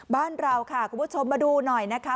บ้านเราค่ะคุณผู้ชมมาดูหน่อยนะคะ